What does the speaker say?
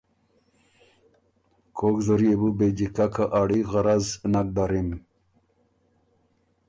کوک زر يې بُو بې جیککه اړي غرض نک دَرِم۔